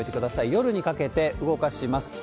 夜にかけて動かします。